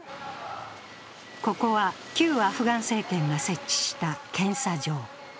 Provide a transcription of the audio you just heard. ここは、旧アフガン政権が設置した検査場。